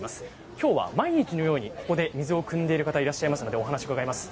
今日は、毎日のようにここで水をくんでいる方いらっしゃいますのでお話を伺います。